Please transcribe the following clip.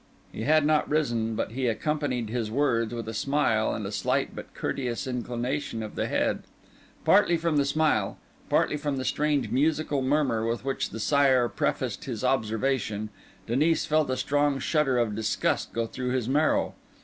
He had not risen, but he accompanied his words with a smile and a slight but courteous inclination of the head. Partly from the smile, partly from the strange musical murmur with which the Sire prefaced his observation, Denis felt a strong shudder of disgust go through his marrow.